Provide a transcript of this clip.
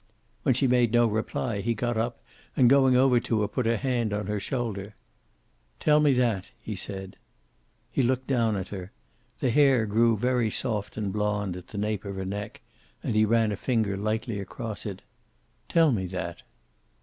When she made no reply he got up and going over to her put a hand on her shoulder. "Tell me that," he said. He looked down at her. The hair grew very soft and blonde at the nape of her neck, and he ran a finger lightly across it. "Tell me that."